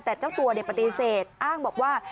แต่เจ้าตัวปฏิเสธอ้างบอกว่า